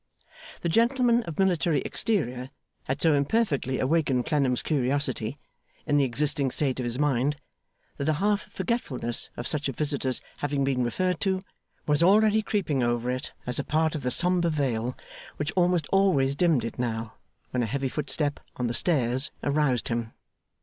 The gentleman of military exterior had so imperfectly awakened Clennam's curiosity, in the existing state of his mind, that a half forgetfulness of such a visitor's having been referred to, was already creeping over it as a part of the sombre veil which almost always dimmed it now, when a heavy footstep on the stairs aroused him.